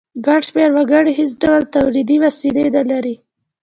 ګڼ شمیر وګړي هیڅ ډول تولیدي وسیلې نه لري.